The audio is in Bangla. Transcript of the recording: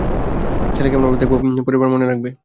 শালিকে এমনভাবে দেখাবো না, পরেরবার মনে রাখবে।